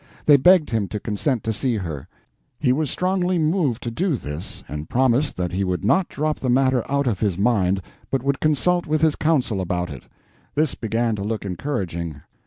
They begged him to consent to see her. He was strongly moved to do this, and promised that he would not drop the matter out of his mind, but would consult with his council about it. This began to look encouraging.